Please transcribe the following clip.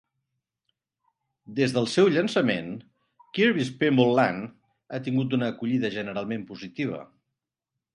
Des del seu llançament, "Kirby's Pinball Land" ha tingut una acollida generalment positiva.